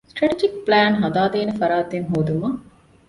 ސްޓްރެޓެޖިކް ޕްލޭން ހަދާދޭނެ ފަރާތެއް ހޯދުން